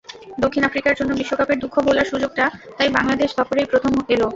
দক্ষিণ আফ্রিকার জন্য বিশ্বকাপের দুঃখ ভোলার সুযোগটা তাই বাংলাদেশ সফরেই প্রথম এল।